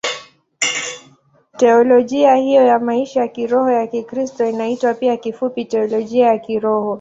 Teolojia hiyo ya maisha ya kiroho ya Kikristo inaitwa pia kifupi Teolojia ya Kiroho.